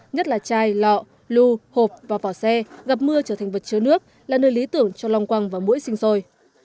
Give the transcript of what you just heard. nhất là chai lọ lưu hộp và vỏ xe gặp mưa trở thành vật chứa nước là nơi lý tưởng cho long quăng và mũi sinh sôi